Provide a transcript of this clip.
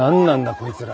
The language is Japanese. こいつら。